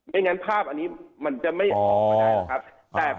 งั้นภาพอันนี้มันจะไม่ออกมาได้นะครับ